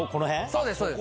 そうです、そうです。